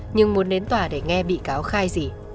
nhưng muốn đến tòa để nghe bị cáo khai gì